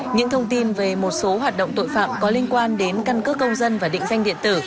những thông tin về một số hoạt động tội phạm có liên quan đến căn cước công dân và định danh điện tử